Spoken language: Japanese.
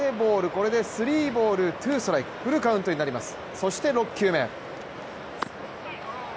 これでスリーボール、ツーストライクフルカウントになります、そして６球目。